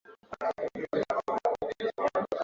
mahojiano ya mwanzo yalifanywa na mwanasheria